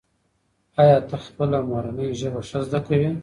ایا ته خپله مورنۍ ژبه ښه زده کوې؟